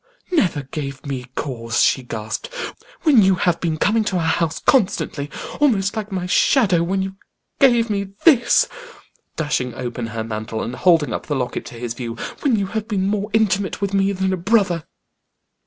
"Never gave me cause!" she gasped. "When you have been coming to our house constantly, almost like my shadow; when you gave me this" dashing open her mantle, and holding up the locket to his view; "when you have been more intimate with me than a brother."